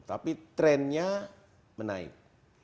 tapi trennya menaik